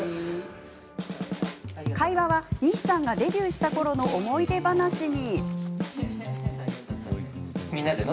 会話は、西さんがデビューしたころの思い出話に。